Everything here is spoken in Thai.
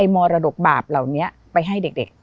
มรดกบาปเหล่านี้ไปให้เด็ก